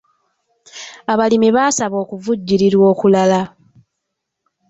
Abalimi baasaba okuvujjirirwa okulala.